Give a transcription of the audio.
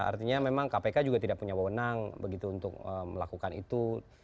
artinya memang kpk juga tidak punya wewenang begitu untuk melakukan itu